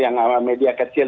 yang media kecil